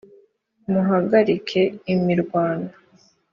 muhagarike imirwano.